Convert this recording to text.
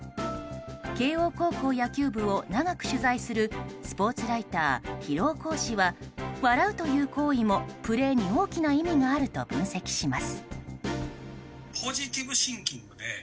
慶応高校野球部を長く取材するスポーツライター広尾晃氏は笑うという行為もプレーに大きな意味があると分析します。